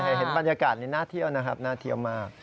เห็นบรรยากาศนี้น่าเที่ยวนะครับน่าเที่ยวมาก